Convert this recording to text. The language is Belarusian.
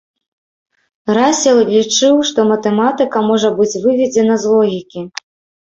Расел лічыў, што матэматыка можа быць выведзена з логікі.